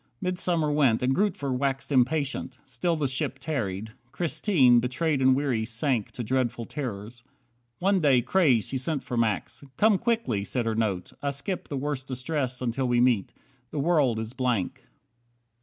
Midsummer went, And Grootver waxed impatient. Still the ship Tarried. Christine, betrayed and weary, sank To dreadful terrors. One day, crazed, she sent For Max. "Come quickly," said her note, "I skip The worst distress until we meet. The world is blank."